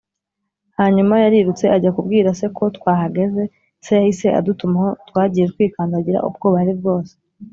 Hanyuma yarirutse ajya kubwira se ko twahageze Se yahise adutumaho Twagiye twikandagira ubwoba ari bwose